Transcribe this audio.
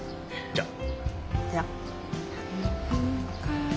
じゃあ。